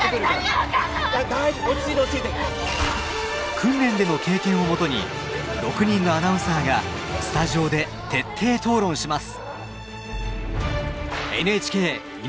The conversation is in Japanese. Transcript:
訓練での経験をもとに６人のアナウンサーがスタジオで徹底討論します。